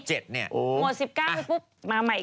หมด๑๙แล้วปุ๊บมาใหม่ก็เป็น